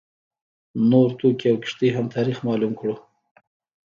نور توکي او کښتۍ هم تاریخ معلوم کړو.